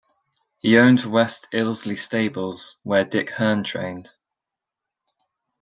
He owned the West Ilsley Stables, where Dick Hern trained.